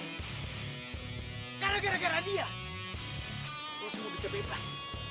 karena gara gara dia lo semua bisa bebas